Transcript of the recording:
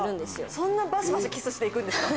そんなバシバシキスして行くんですか？